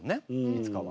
いつかは。